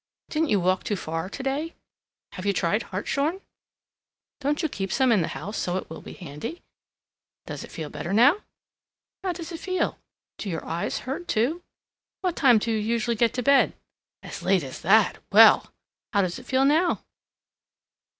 Didn't you walk too far today? Have you tried hartshorn? Don't you keep some in the house so it will be handy? Does it feel better now? How does it feel? Do your eyes hurt, too? What time do you usually get to bed? As late as THAT? Well! How does it feel now?"